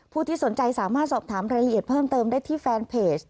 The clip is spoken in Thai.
ที่สนใจสามารถสอบถามรายละเอียดเพิ่มเติมได้ที่แฟนเพจ